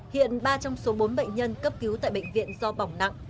hiện ba trong số bốn bệnh nhân cấp cứu tại bệnh viện do bỏng nặng